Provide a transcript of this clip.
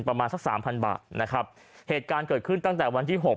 ประมาณสักสามพันบาทนะครับเหตุการณ์เกิดขึ้นตั้งแต่วันที่หก